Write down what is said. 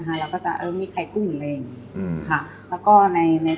นะฮะเราก็จะเอ่อไม่ไข่กุ้งหรืออะไรอย่างนี้